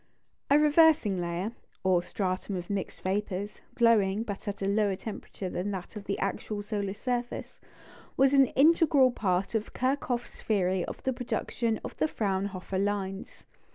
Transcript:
A "reversing layer," or stratum of mixed vapours, glowing, but at a lower temperature than that of the actual solar surface, was an integral part of Kirchhoff's theory of the production of the Fraunhofer lines.